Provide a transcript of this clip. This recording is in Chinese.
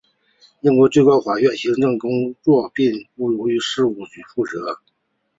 英国最高法院的行政工作并不由事务局负责。